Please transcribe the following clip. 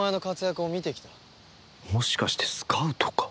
もしかしてスカウトか？